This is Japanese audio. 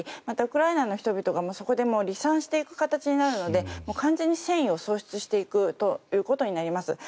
また、ウクライナの人々がそこで離散していく形になるので完全に戦意を喪失していくということになります。